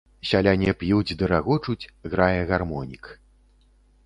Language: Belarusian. Сяляне п'юць ды рагочуць, грае гармонік.